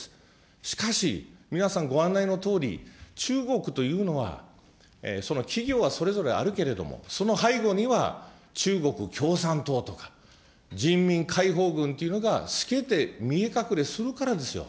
しかし、皆さんご案内のとおり、中国というのは、その企業はそれぞれあるけれども、その背後には、中国共産党とか、人民解放軍というのが透けて見え隠れするからですよ。